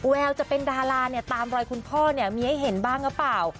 แววจะเป็นดาราตามรอยคุณพ่อมีให้เห็นบ้างหรือเปล่า